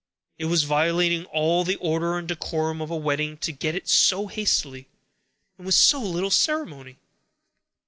It was violating all the order and decorum of a wedding to get it up so hastily, and with so little ceremony.